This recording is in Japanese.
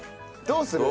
どうする？